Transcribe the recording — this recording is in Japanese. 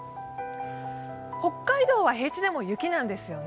北海道は平地でも雪なんですよね。